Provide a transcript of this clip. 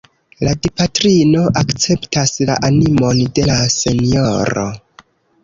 La Dipatrino akceptas la animon de la senjoro.